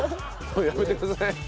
やめてください。